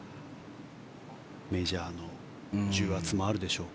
メジャーの重圧もあるでしょうか。